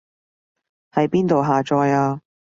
喺邊度下載啊